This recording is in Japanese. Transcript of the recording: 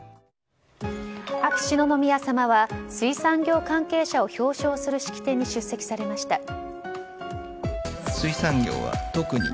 秋篠宮さまは水産業関係者を表彰する式典に出席されました。